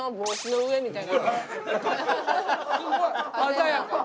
すごい鮮やか。